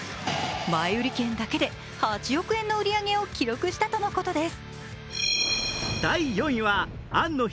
前売り券だけで８億円の売り上げを記録したとのことです。